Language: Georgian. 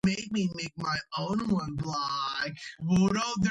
ტაძარი საბჭოთა პერიოდში აღადგინეს ნანგრევებისაგან.